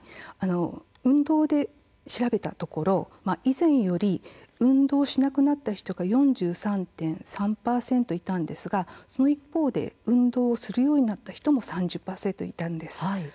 運動で調べたところ以前より運動しなくなった人が４３．３％いたんですが、一方で運動するようになった人も３０％いたんです。